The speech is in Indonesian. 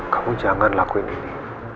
kamu jangan lakuin ini